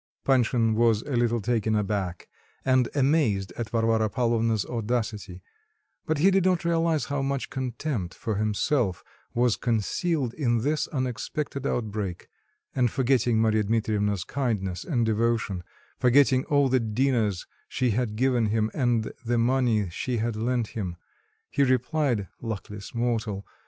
Panshin was a little taken aback and amazed at Varvara Pavlovna's audacity; but he did not realise how much contempt for himself was concealed in this unexpected outbreak, and forgetting Marya Dmitrievna's kindness and devotion, forgetting all the dinners she had given him, and the money she had lent him, he replied (luckless mortal!)